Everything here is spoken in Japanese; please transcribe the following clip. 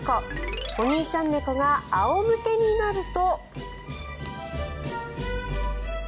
お兄ちゃん猫が仰向けになると。